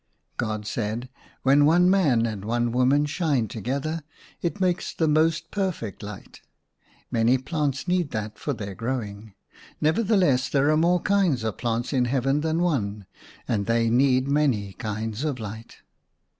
God said, " When one man and one woman shine together, it makes the most perfect light. Many plants need that for their growing. Nevertheless, there are more kinds of piants in Heaven than one, and they need many kinds of light."